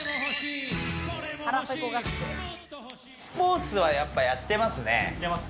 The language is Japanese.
スポーツは、やっぱり、やってます。